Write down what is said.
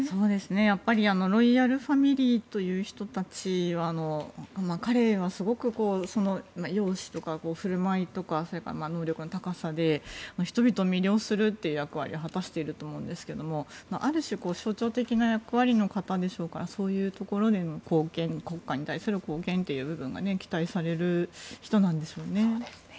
やっぱりロイヤルファミリーの人たちは彼はすごく容姿や振る舞いやそれから能力の高さで人々を魅了するという役割を果たしていると思うんですけどある種、象徴的な役割の方でしょうからそういうところでの国家に対する貢献という部分が期待される人なんでしょうね。